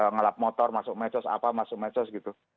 ngelap motor masuk medsos apa masuk medsos gitu